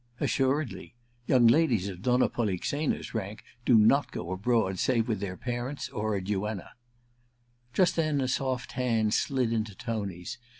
* Assuredly : young ladies of Donna Polixena's rank do not go abroad save with their parents or a duenna/ Just then a soft hand slid into Tony's.